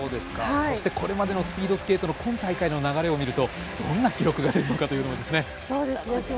そしてこれまでのスピードスケートの今大会の流れを見るとどんな記録が出るのかというのもですね。